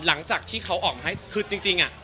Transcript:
หลังจากที่เขาออกมาให้คือจริงอ่ะ